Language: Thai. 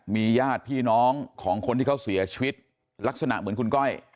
มีญาติพี่น้องของคนที่เขาเสียชีวิตลักษณะเหมือนคุณก้อย